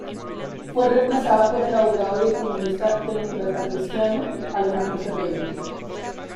Fue reemplazada por el abogado y economista democratacristiano Alejandro Ferreiro.